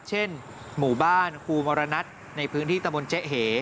เช่นหมู่บ้านครูมรณัทในพื้นที่ตะบนเจ๊เห